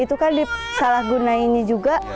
itu kan salah gunainya juga